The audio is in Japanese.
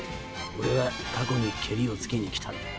俺は過去にケリをつけに来たんだ。